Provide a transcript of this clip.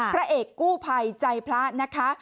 พระเอกกู้ภัยใจพระนะคะ